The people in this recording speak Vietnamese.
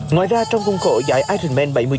ngoài ra trong khung khổ giải ironman bảy mươi ba